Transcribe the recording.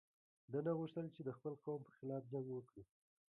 ده نه غوښتل چې د خپل قوم پر خلاف جنګ وکړي.